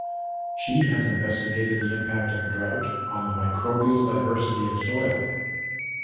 She has investigated the impact of drought on the microbial diversity of soil.